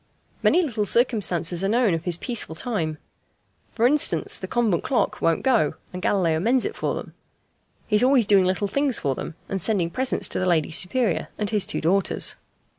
Many little circumstances are known of this peaceful time. For instance, the convent clock won't go, and Galileo mends it for them. He is always doing little things for them, and sending presents to the Lady Superior and his two daughters.